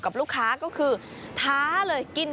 กับลูกค้าก็คือท้าเลยกิน